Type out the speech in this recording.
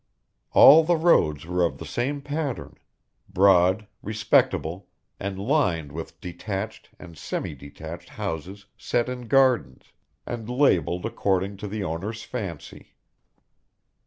All the roads were of the same pattern, broad, respectable, and lined with detached and semi detached houses set in gardens, and labelled according to the owner's fancy.